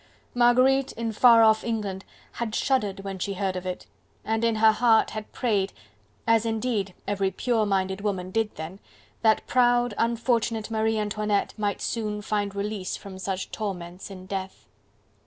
Marguerite, in far off England, had shuddered when she heard of it, and in her heart had prayed, as indeed every pure minded woman did then, that proud, unfortunate Marie Antoinette might soon find release from such torments in death.